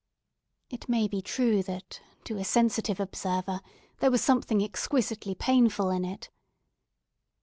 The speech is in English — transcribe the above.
It may be true that, to a sensitive observer, there was some thing exquisitely painful in it.